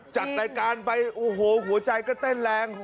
จัดรายการไปโอ้โหหัวใจก็เต้นแรง